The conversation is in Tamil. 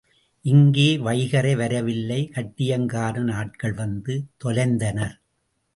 இங்கே வைகறை வரவில்லை கட்டியங்காரன் ஆட்கள் வந்து தொலைந்தனர்.